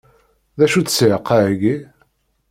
D acu-tt ssiεqa-agi?